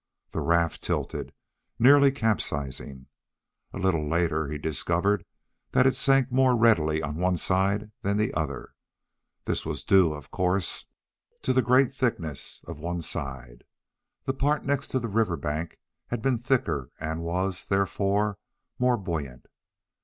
The raft tilted, nearly capsizing. A little later he discovered that it sank more readily on one side than the other. This was due, of course, to the greater thickness of one side. The part next to the river bank had been thicker and was, therefore, more buoyant.